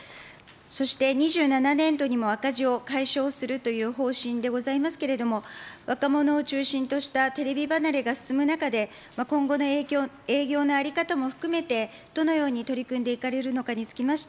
そして２７年度にも赤字を解消するという方針でございますけれども、若者を中心としたテレビ離れが進む中で、今後の営業の在り方も含めて、どのように取り組んでいかれるのかにつきまして、ＮＨＫに